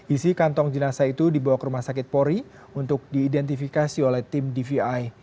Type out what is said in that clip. isi kantong jenazah itu dibawa ke rumah sakit pori untuk diidentifikasi oleh tim dvi